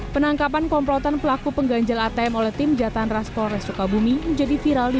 penangkapan komplotan pelaku pengganjal atm oleh tim jatahan raskol resuka bumi menjadi viral di